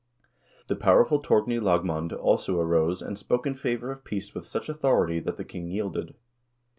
The powerful Torgny Lagmand also arose and spoke in favor of peace with such authority that the king yielded.